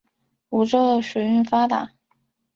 梧州的水运发达。